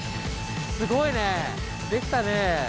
すごいねできたね。